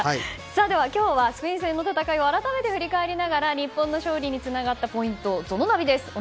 では今日はスペイン戦の戦いを改めて振り返りながら日本の勝利につながったポイントをＺＯＮＯナビです。